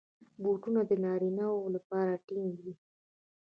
بوټونه د نارینه وو لپاره ټینګ وي.